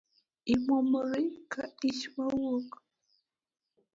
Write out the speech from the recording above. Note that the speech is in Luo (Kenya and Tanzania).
Imuomori ka ich mamwuok